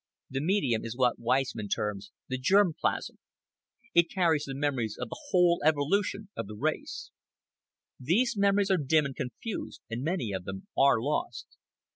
This medium is what Weismann terms the "germplasm." It carries the memories of the whole evolution of the race. These memories are dim and confused, and many of them are lost.